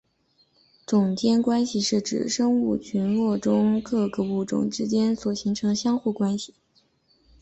种间关系是指生物群落中各个物种之间所形成相互关系。